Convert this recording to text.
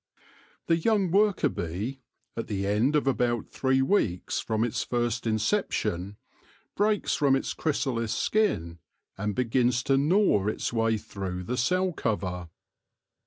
The young worker bee, at the end of about three weeks from its first inception, breaks from its chrysalis skin, and begins to gnaw its way through the cell cover.